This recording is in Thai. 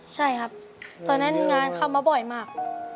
ใช่ครับตอนนั้นงานเข้ามาบ่อยมาก